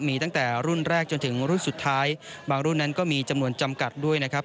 มีตั้งแต่รุ่นแรกจนถึงรุ่นสุดท้ายบางรุ่นนั้นก็มีจำนวนจำกัดด้วยนะครับ